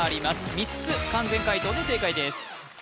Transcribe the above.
３つ完全解答で正解です